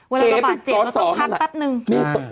เวลาระบาดเจ็บก็ต้องพักปั๊บนึง